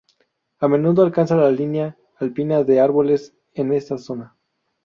A menudo alcanza la línea alpina de árboles en esta zona.